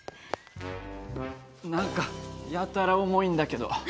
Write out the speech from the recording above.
何かやたら重いんだけど。